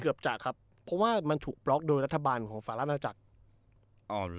เกือบจะครับเพราะว่ามันถูกปล็อกโดยรัฐบาลของสาร้าพนัทศักดิ์